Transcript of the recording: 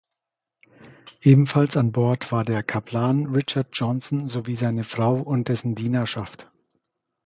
Ebenfalls an Bord war der Kaplan Richard Johnson sowie seine Frau und dessen Dienerschaft.